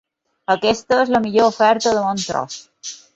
Aquesta és la millor oferta de bon tros.